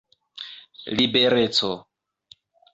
libereco